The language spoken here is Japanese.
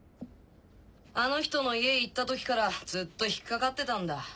あの人の家へ行った時からずっと引っ掛かってたんだ。